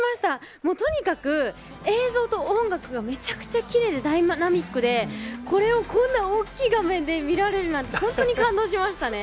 もうとにかく、映像と音楽がむちゃくちゃきれいで、ダイナミックで、これをこんな大きい画面で見られるなんて本当に感動しましたね。